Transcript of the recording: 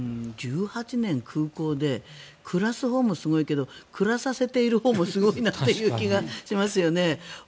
１８年、空港で暮らすほうもすごいけど暮らさせているほうもすごいなという気がしますよね。